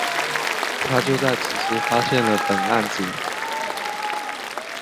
他就在此时发现了苯胺紫。